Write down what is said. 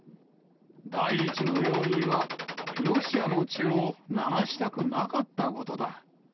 第１の要因はロシアの血を流したくなかったことだ。